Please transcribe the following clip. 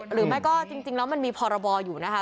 หรือไม่ก็จริงแล้วมันมีพรบอยู่นะคะ